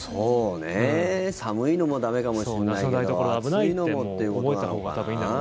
寒いのも駄目かもしれないけど暑いのもっていうことなのかな。